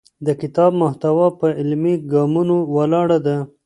د کتاب محتوا په عملي ګامونو ولاړه ده.